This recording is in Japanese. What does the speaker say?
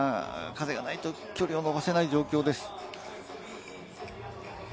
なかなか風がないと、距離を伸ばせない状況です。